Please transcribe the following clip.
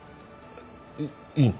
いいの？